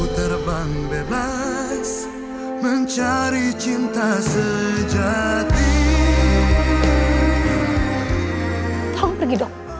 tolong pergi dong